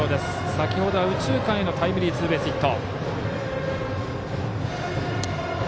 先程は右中間のタイムリーツーベースヒット。